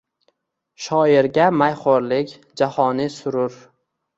Shoirga mayxo’rlik – jahoniy surur